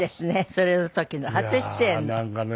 それの時の初出演の。